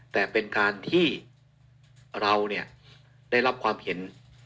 แต่เป็นการที่เราได้รับความเห็น